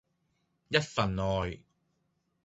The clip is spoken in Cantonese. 一份愛